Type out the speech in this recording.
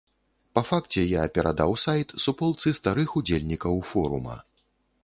Па факце я перадаў сайт суполцы сталых удзельнікаў форума.